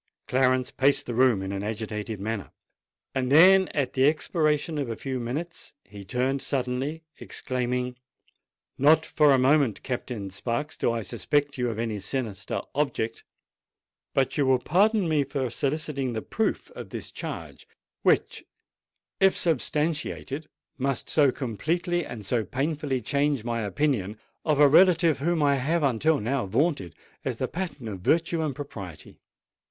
Clarence paced the room in an agitated manner: then, at the expiration of a few minutes, he turned suddenly, exclaiming, "Not for a moment, Captain Sparks, do I suspect you of any sinister object: but you will pardon me for soliciting the proof of this charge which, if substantiated, must so completely and so painfully change my opinion of a relative whom I have until now vaunted as the pattern of virtue and propriety."